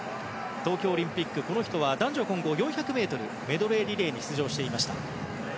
東京オリンピック男女混合４００ｍメドレーリレーに出場していました。